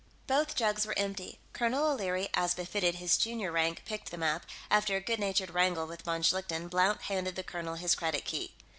Both jugs were empty. Colonel O'Leary, as befitted his junior rank, picked them up; after a good natured wrangle with von Schlichten, Blount handed the colonel his credit key.